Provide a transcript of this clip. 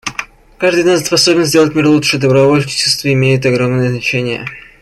Каждый из нас способен сделать мир лучше; добровольчество имеет огромное значение.